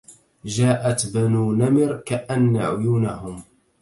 جاءت بنو نمر كأن عيونهم